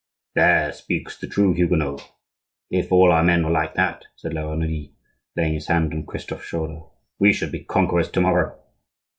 "There speaks the true Huguenot. If all our men were like that," said La Renaudie, laying his hand on Christophe's shoulder, "we should be conquerors to morrow."